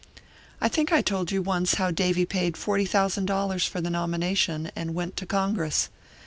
I think I told you once how Davy paid forty thousand dollars for the nomination, and went to Congress.